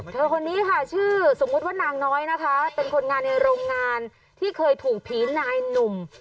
คนนี้ค่ะชื่อสมมุติว่านางน้อยนะคะเป็นคนงานในโรงงานที่เคยถูกผีนายหนุ่ม